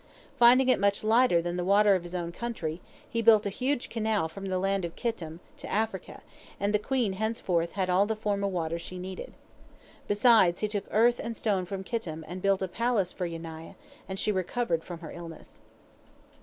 Finding it much lighter than the water of his own country, he built a huge canal from the land of Kittim. to Africa, and the queen henceforth had all the Forma water she needed. Besides, he took earth and stone from Kittim, and built a palace for Yaniah, and she recovered from her illness.